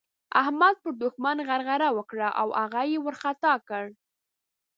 احمد پر دوښمن غرغړه وکړه او هغه يې وارخطا کړ.